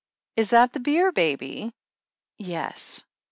*' "Is that the Beer baby?" "Yes."